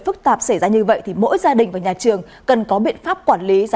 phức tạp xảy ra như vậy thì mỗi gia đình và nhà trường cần có biện pháp quản lý